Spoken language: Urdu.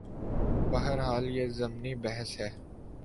بہرحال یہ ضمنی بحث ہے۔